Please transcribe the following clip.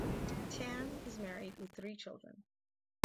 Tan is married with three children.